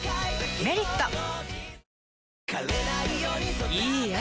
「メリット」いい汗。